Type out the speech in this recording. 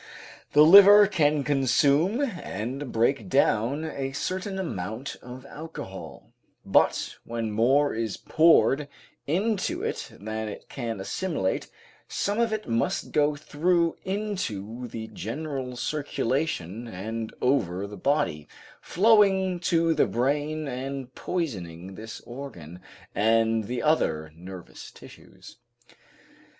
The liver can consume and break down a certain amount of alcohol, but when more is poured into it than it can assimilate, some of it must go through into the general circulation and over the body, flowing to the brain and poisoning this organ, and the other nervous tissues.